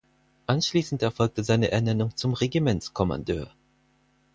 Anschließend erfolgte seine Ernennung zum Regimentskommandeur.